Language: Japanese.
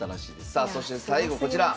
さあそして最後こちら。